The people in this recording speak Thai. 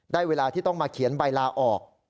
เวลาที่ต้องมาเขียนใบลาออก